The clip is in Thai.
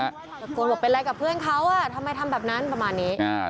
ตะโกนบอกเป็นอะไรกับเพื่อนเขาอ่ะทำไมทำแบบนั้นประมาณนี้